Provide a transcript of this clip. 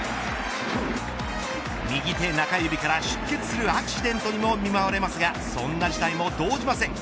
右手中指から出血するアクシデントにも見舞われますがそんな事態も動じません。